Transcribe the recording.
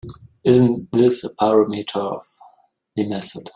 Isn’t this a parameter of the method?